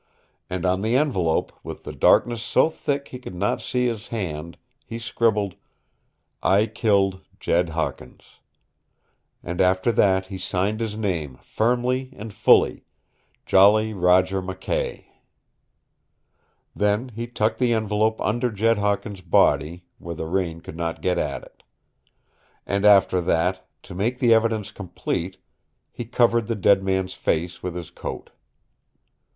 And on the envelope, with the darkness so thick he could not see his hand, he scribbled, "I killed Jed Hawkins," and after that he signed his name firmly and fully "Jolly Roger McKay." Then he tucked the envelope under Jed Hawkins' body, where the rain could not get at it. And after that, to make the evidence complete, he covered the dead man's face with his coat.